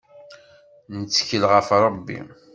Nettkel ɣef Rebbi.